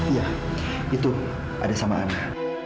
iya itu ada sama anak